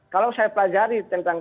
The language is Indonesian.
kalau saya pelajari tentang